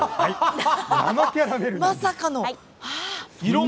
まさかの。